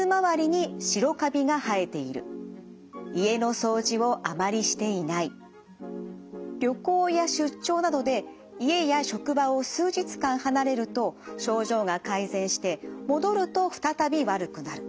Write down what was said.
そして旅行や出張などで家や職場を数日間離れると症状が改善して戻ると再び悪くなる。